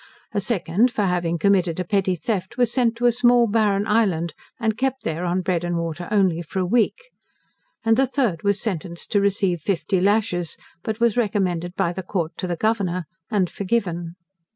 A second, for having committed a petty theft, was sent to a small barren island, and kept there on bread and water only, for a week. And the third was sentenced to receive fifty lashes, but was recommended by the court to the Governor, and forgiven.